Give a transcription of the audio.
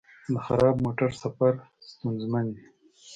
د خراب موټر سفر ستونزمن وي.